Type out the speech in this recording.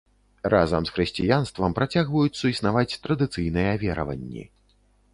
Разам з хрысціянствам працягваюць суіснаваць традыцыйныя вераванні.